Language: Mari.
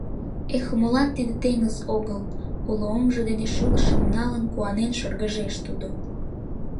— Эх, молан тиде теҥыз огыл! — уло оҥжо дене шӱлышым налын, куанен шыргыжеш тудо.